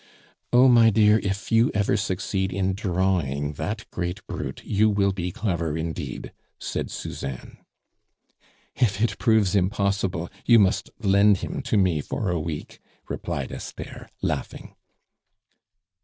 "Oh, my dear, if you ever succeed in drawing that great brute, you will be clever indeed," said Suzanne. "If it proves impossible, you must lend him to me for a week," replied Esther, laughing.